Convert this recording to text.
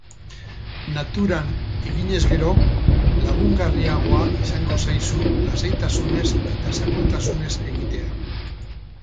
Naturan eginez gero, lagungarriagoa izango zaizu lasaitasunez eta sakontasunez egitea.